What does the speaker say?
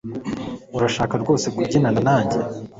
Urashaka rwose kubyinana nanjye